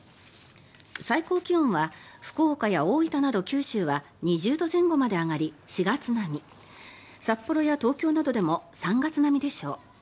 最高気温は福岡や大分など九州は２０度前後まで上がり４月並み札幌や東京などでも３月並みでしょう。